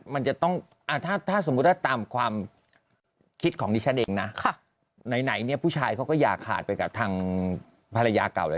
มันจะต้องอาจจะตามความคิดของดิฉันเองนะค่ะไหนเนี้ยผู้ชายเขาก็อยากหาดไปกับทางภรรยาเก่า